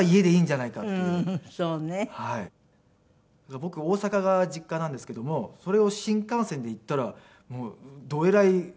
僕大阪が実家なんですけどもそれを新幹線で行ったらどえらい旅費になっちゃうんで。